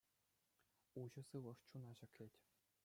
Уҫӑ сывлӑш чуна ҫӗклет.